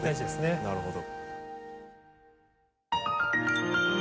なるほど。